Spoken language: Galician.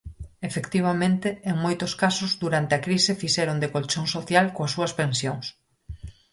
Efectivamente, en moitos casos, durante a crise fixeron de colchón social coas súas pensións.